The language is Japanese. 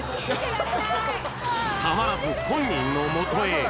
たまらず本人のもとへ。